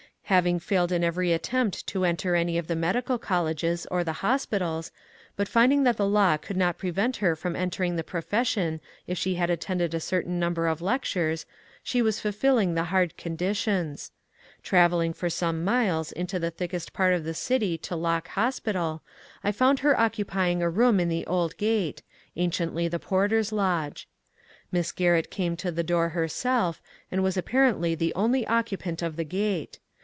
Having failed in every 450 MONCURE DANIEL CONWAY attempt to enter any of the medical colleges or the hospitals, but finding that the law could not prevent her from entering the profession if she had attended a certain number of lec tures, she was fulfilling the hard conditions. Travelling for some miles into the thickest part of the city to Lock Hospital, I found her occupying a room in the old Grate, — anciently the porter's lodge. Miss Garrett came to the door herself, and was apparently the only occupant of the Gate.